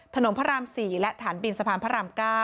พระราม๔และฐานบินสะพานพระราม๙